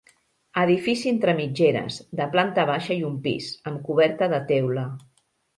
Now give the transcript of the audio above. Edifici entre mitgeres, de planta baixa i un pis, amb coberta de teula.